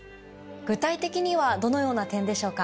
具体的にはどのような点でしょうか？